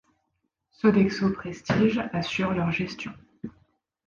Sodexho Prestige assure leur gestion.